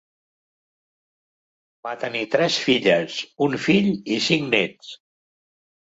Va tenir tres filles, un fill i cinc nets.